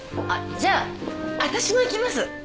じゃあわたしも行きます。